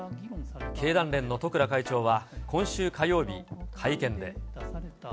経団連の十倉会長は今週火曜日、会見で。